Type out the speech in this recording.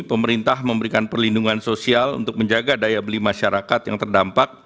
pemerintah memberikan perlindungan sosial untuk menjaga daya beli masyarakat yang terdampak